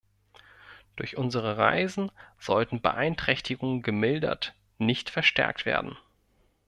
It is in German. Durch unsere Reisen sollten Beeinträchtigungen gemildert, nicht verstärkt werden.